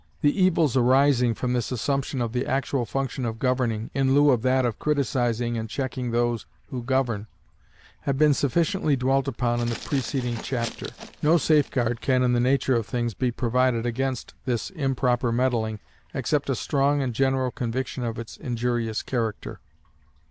The evils arising from this assumption of the actual function of governing, in lieu of that of criticising and checking those who govern, have been sufficiently dwelt upon in the preceding chapter. No safeguard can in the nature of things be provided against this improper meddling, except a strong and general conviction of its injurious character.